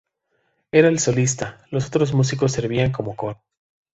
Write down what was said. Era el solista; los otros músicos servían como coro.